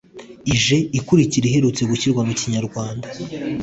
ije ikurikira iherutse gushyirwa mu Kinyarwanda